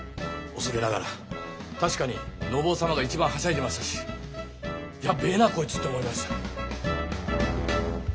恐れながら確かに信夫様が一番はしゃいでましたし「やべえなこいつ」って思いました。